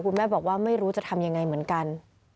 แม่บอกว่าไม่รู้จะทำยังไงเหมือนกัน